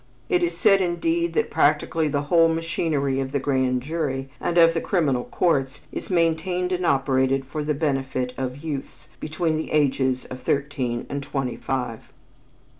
It is said indeed that practically the whole machinery of the grand jury and of the criminal courts is maintained and operated for the benefit of youths between the ages of thirteen and twenty five.